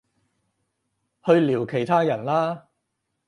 去聊其他人啦